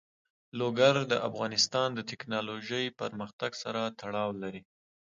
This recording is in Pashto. لوگر د افغانستان د تکنالوژۍ پرمختګ سره تړاو لري.